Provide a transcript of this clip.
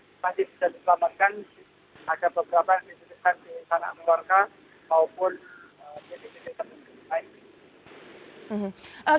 ada beberapa yang diselamatkan di tanah keluarga maupun di tempat lain